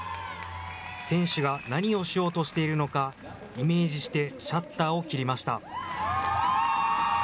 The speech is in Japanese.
選手が何をしようとしているのか、イメージしてシャッターを切りました。